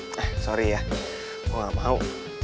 eh sorry ya gue enggak mau